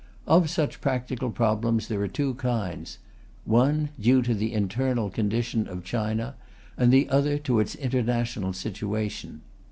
Of such practical problems there are two kinds: one due to the internal condition of China, and the other to its international situation.